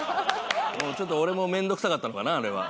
ちょっと俺も面倒くさかったのかなあれは。